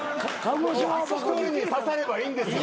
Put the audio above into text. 一人に刺さればいいんですよ